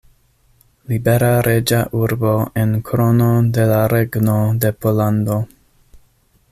Libera reĝa urbo en Krono de la Regno de Pollando.